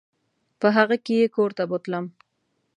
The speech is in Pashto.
په هغه کې یې کور ته بوتلم.